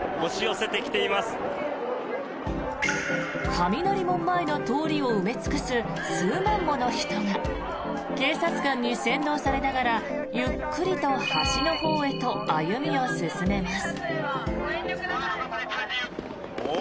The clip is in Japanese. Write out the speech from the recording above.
雷門前の通りを埋め尽くす数万もの人が警察官に先導されながらゆっくりと橋のほうへと歩みを進めます。